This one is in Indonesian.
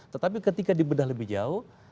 tetapi ketika dibedah lebih jauh